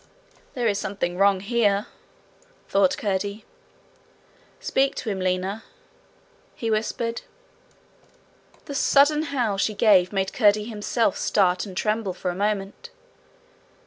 'There is something wrong here!' thought Curdie. 'Speak to him, Lina,' he whispered. The sudden howl she gave made Curdie himself start and tremble for a moment.